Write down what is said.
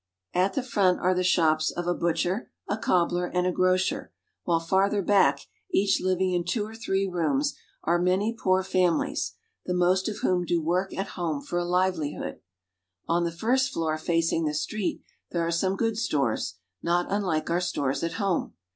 At the front are the shops of a butcher, a cobbler, and a grocer, while farther back, each living in two or three rooms, are many poor families, the most of whom do work at home for a livelihood. On the first floor facing the street there are some good stores, not unlike our stores at home.